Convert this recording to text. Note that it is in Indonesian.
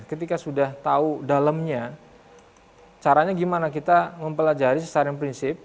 ketika sudah tahu dalamnya caranya gimana kita mempelajari secara prinsip